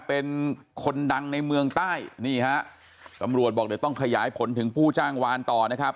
เป็นคนดังในเมืองใต้นี่ฮะตำรวจบอกเดี๋ยวต้องขยายผลถึงผู้จ้างวานต่อนะครับ